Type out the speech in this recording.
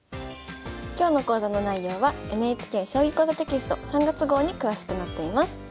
今日の講座の内容はＮＨＫ「将棋講座」テキスト３月号に詳しく載っています。